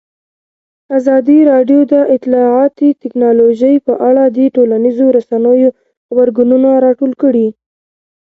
ازادي راډیو د اطلاعاتی تکنالوژي په اړه د ټولنیزو رسنیو غبرګونونه راټول کړي.